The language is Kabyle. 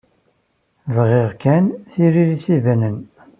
Bɣiɣ kan tiririt ibanen.